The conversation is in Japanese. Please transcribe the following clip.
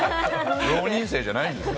浪人生じゃないんです。